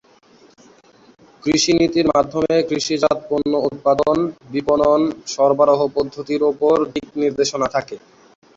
কৃষি নীতির মাধ্যমে কৃষিজাত পণ্য উৎপাদন, বিপণন, সরবরাহ পদ্ধতির উপর দিক-নির্দেশনা থাকে।